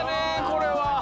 これは。